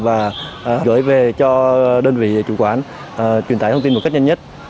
và gửi về cho đơn vị chủ quán truyền tải thông tin một cách nhanh nhất